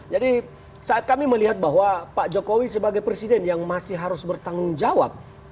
jadi saat kami melihat bahwa pak jokowi sebagai presiden yang masih harus bertanggung jawab